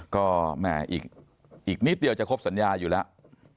ก็แหมอีกนิดเดียวจะครบสัญญาอยู่แล้ว